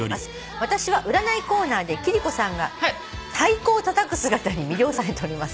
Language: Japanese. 「私は占いコーナーで貴理子さんが太鼓をたたく姿に魅了されております」